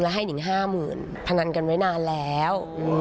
แล้วให้หญิง๕๐๐๐๐บาทพนันกันไว้นานแล้ว